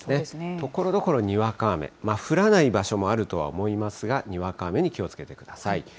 ところどころにわか雨、降らない場所もあるとは思いますが、にわか雨に気をつけてください。